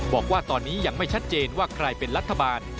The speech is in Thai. บอกว่าตอนนี้ยังไม่ชัดเจนว่าใครเป็นรัฐบาล